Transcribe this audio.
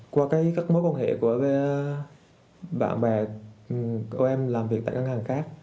qua các mối quan hệ của bạn bè của em làm việc tại các ngân hàng khác